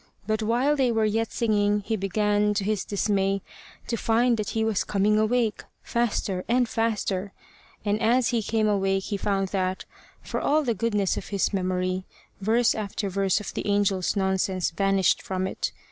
But while they were yet singing he began, to his dismay, to find that he was coming awake faster and faster. And as he came awake, he found that, for all the goodness of his memory, verse after verse of the angels' nonsense vanished from it.